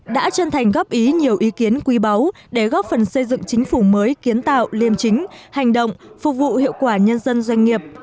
đã chân thành góp ý nhiều ý kiến quý báu để góp phần xây dựng chính phủ mới kiến tạo liêm chính hành động phục vụ hiệu quả nhân dân doanh nghiệp